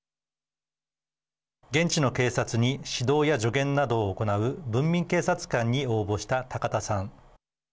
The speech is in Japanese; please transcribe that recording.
現地の警察に指導や助言などを行う文民警察官に応募した高田さん。